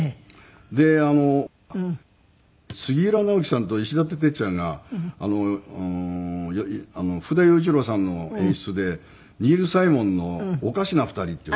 であの杉浦直樹さんと石立鉄ちゃんが福田陽一郎さんの演出でニール・サイモンの『おかしな二人』っていう。